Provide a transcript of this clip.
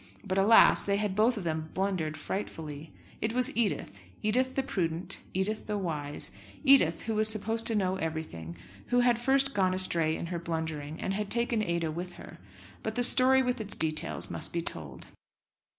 But, alas! they had both of them blundered frightfully. It was Edith, Edith the prudent, Edith the wise, Edith, who was supposed to know everything, who had first gone astray in her blundering, and had taken Ada with her; but the story with its details must be told.